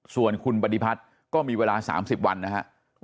ส่วนคุณปฏิพัฒน์ก็มีเวลา๓๐วันนะครับ